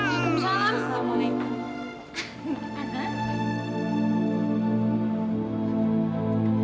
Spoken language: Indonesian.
aku gak perlu lagi berpura pura seperti ini